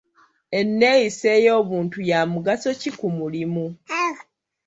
Enneeyisa ey'obuntu ya mugaso ki ku mulimu?